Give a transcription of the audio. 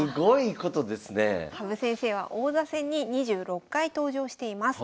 羽生先生は王座戦に２６回登場しています。